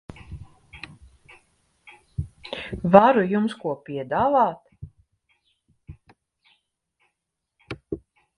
Varu jums ko piedāvāt?